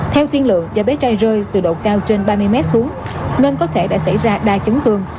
theo tiên lượng do bé trai rơi từ độ cao trên ba mươi mét xuống nên có thể đã xảy ra đa chấn thương